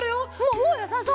もうよさそう？